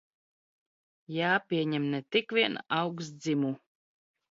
J?pie?em ne tikvien augstdzimu